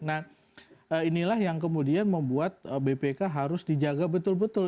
nah inilah yang kemudian membuat bpk harus dijaga betul betul